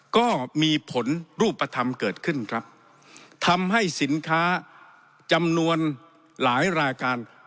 ก็มีผลรูปธรรมเกิดขึ้นครับทำให้สินค้าจำนวนหลายรายการ